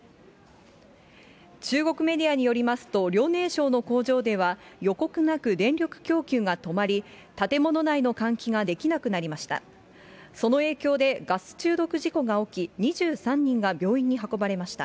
中国メディアによりますと、遼寧省の工場では予告なく、電力供給が止まり、建物内の換気ができなくなりました。